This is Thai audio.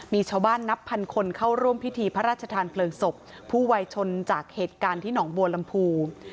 มีชาวบ้านนับพันคนเข้าร่วมพิธีพระราชทานเพลิงศพผู้วัยชนจากเหตุการณ์ที่หนองบัวลำพู